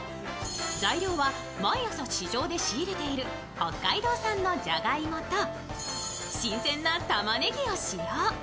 材料は毎朝市場で仕入れている北海道産のじゃがいもと、新鮮なたまねぎを使用。